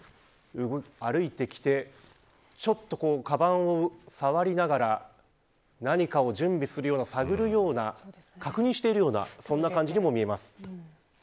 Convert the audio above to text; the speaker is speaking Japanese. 歩いてきてちょっとかばんを触りながら何かを準備するような探るような確認しているようなそんな感じにも見えます。